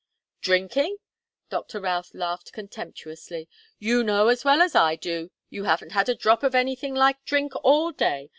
"Drinking?" Doctor Routh laughed contemptuously. "You know as well as I do that you haven't had a drop of anything like drink all day.